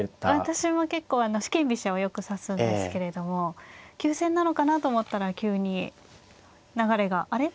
私も結構四間飛車をよく指すんですけれども急戦なのかなと思ったら急に流れが「あれ？」っていうような。